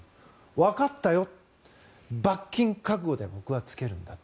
わかったよ罰金覚悟で僕はつけるんだ。